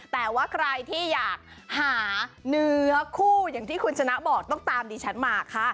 แต่ว่าใครที่อยากหาเนื้อคู่อย่างที่คุณชนะบอกต้องตามดิฉันมาค่ะ